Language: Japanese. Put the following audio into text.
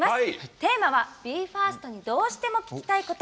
テーマは「ＢＥ：ＦＩＲＳＴにどうしても聞きたいこと」。